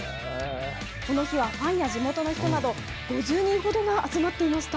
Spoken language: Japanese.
この日はファンや地元の人など、５０人ほどが集まっていました。